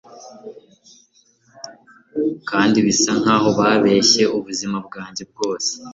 kandi bisa nkaho babeshye ubuzima bwanjye bwose